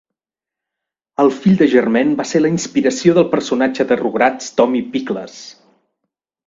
El fill de Germain va ser la inspiració del personatge de "Rugrats" Tommy Pickles.